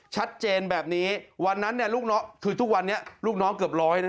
ชัดเจนแบบนี้วันนั้นคือทุกวันนี้ลูกน้องเกือบร้อยนะ